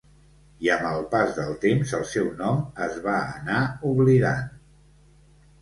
I, amb el pas del temps, el seu nom es va anar oblidant.